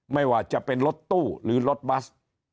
ไม่ว่าจะเป็นรถตู้หรือรถบัส